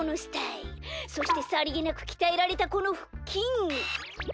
そしてさりげなくきたえられたこのふっきん。